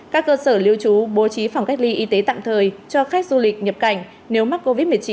các cơ sở lưu trú bố trí phòng cách ly y tế tạm thời cho khách du lịch nhập cảnh nếu mắc covid một mươi chín